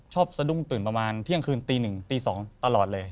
สะดุ้งตื่นประมาณเที่ยงคืนตี๑ตี๒ตลอดเลย